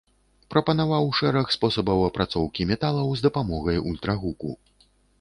Прапанаваў шэраг спосабаў апрацоўкі металаў з дапамогай ультрагуку.